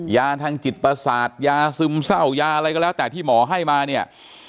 ยาทางจิตประสาทยาซึมเศร้ายาอะไรก็แล้วแต่ที่หมอให้มาเนี่ย